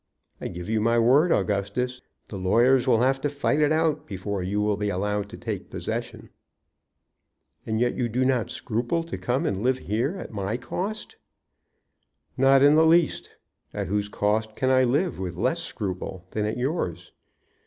I give you my word, Augustus, the lawyers will have to fight it out before you will be allowed to take possession." "And yet you do not scruple to come and live here at my cost." "Not in the least. At whose cost can I live with less scruple than at yours?